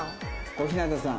小日向さん。